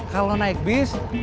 kalau naik bis